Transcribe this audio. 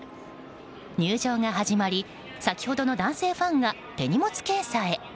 入場が始まり先ほどの男性ファンが手荷物検査へ。